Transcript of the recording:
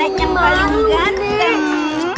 jadi nenek yang paling ganteng